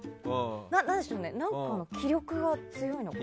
何かの気力が強いのかな？